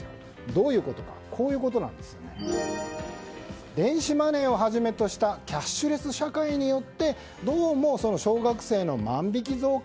どういうことかというと電子マネーをはじめとしたキャッシュレス社会によってどうも小学生の万引き増加